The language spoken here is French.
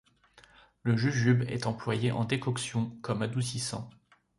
Le jujube est employé en décoction comme adoucissant.